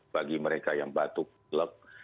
bagi mereka yang batuk lek